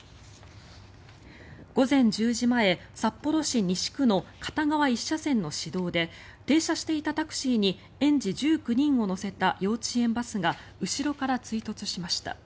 午前１０時前、札幌市西区の片側１車線の市道で停車していたタクシーに園児１９人を乗せた幼稚園バスが後ろから追突しました。